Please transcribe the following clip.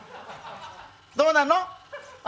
どうなの？